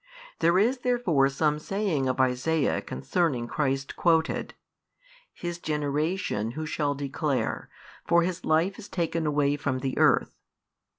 There is therefore some saying of Isaiah concerning Christ quoted, His generation who shall declare? for His Life is taken away from the earth.